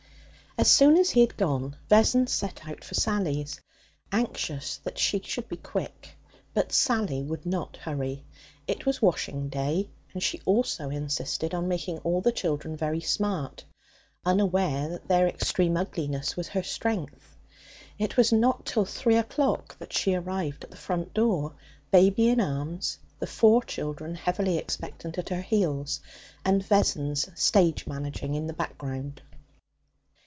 As soon as she had gone, Vessons set out for Sally's, anxious that she should be quick. But Sally would not hurry. It was washing day, and she also insisted on making all the children very smart, unaware that their extreme ugliness was her strength. It was not till three o'clock that she arrived at the front door, baby in arms, the four children, heavily expectant, at her heels, and Vessons stage managing in the background.